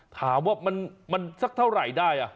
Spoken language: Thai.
ถามว่ามันสักเท่าไหร่ได้